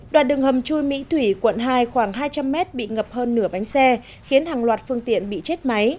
đoạn đường hầm chui mỹ thủy quận hai khoảng hai trăm linh mét bị ngập hơn nửa bánh xe khiến hàng loạt phương tiện bị chết máy